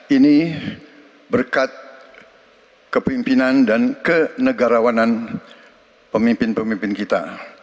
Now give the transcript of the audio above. ini berkat kepimpinan dan kenegarawanan pemimpin pemimpin kita